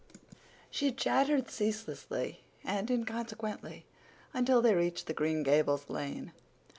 She chattered ceaselessly and inconsequently until they reached the Green Gables lane.